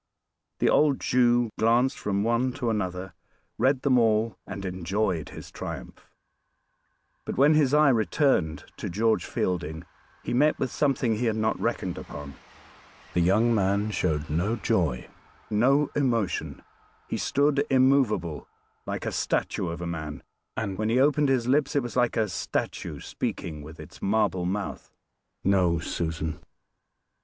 The old Jew glanced from one to another, read them all, and enjoyed his triumph. But when his eye returned to George Fielding he met with something he had not reckoned upon. The young man showed no joy, no emotion. He stood immovable, like a statue of a man, and when he opened his lips it was like a statue speaking with its marble mouth. "No! Susan.